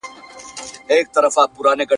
د ظالم عمر به لنډ وي په خپل تېغ به حلالیږي ..